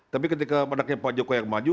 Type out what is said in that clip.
tapi ketika pada kata pak joko yang maju